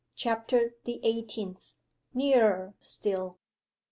CHAPTER THE EIGHTEENTH. NEARER STILL.